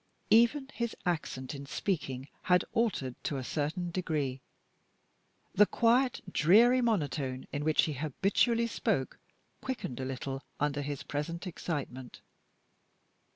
Even his accent in speaking had altered to a certain degree. The quiet, dreary monotone in which he habitually spoke quickened a little under his present excitement.